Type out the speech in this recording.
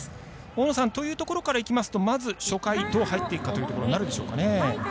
大野さんというところからいきますとまず初回どう入っていくかというところになるでしょうかね。